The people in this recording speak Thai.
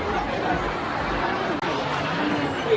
การรับความรักมันเป็นอย่างไร